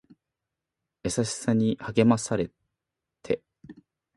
優しさに励まされて